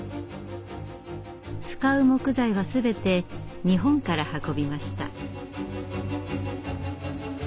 使う木材は全て日本から運びました。